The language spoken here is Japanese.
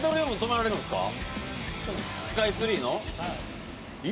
スカイツリーの？